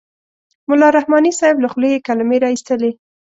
ملا رحماني صاحب له خولې یې کلمې را اېستلې.